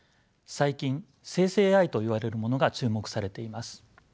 最近生成ＡＩといわれるものが注目されています。